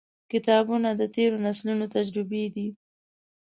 • کتابونه، د تیرو نسلونو تجربې دي.